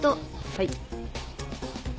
はい。